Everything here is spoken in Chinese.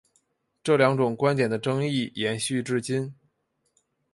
这两种观点的争议延续至今。